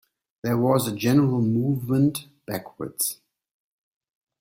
There was a general movement backwards.